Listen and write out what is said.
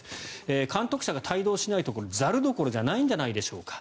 監督者が帯同しないとざるどころじゃないんじゃないでしょうか。